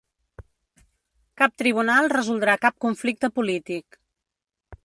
Cap tribunal resoldrà cap conflicte polític.